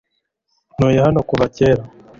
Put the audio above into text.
Ntuye hano kuva kera.